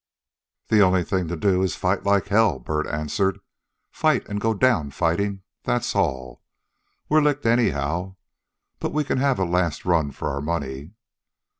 "The only thing to do is fight like hell," Bert answered. "Fight, an' go down fightin'. That's all. We're licked anyhow, but we can have a last run for our money."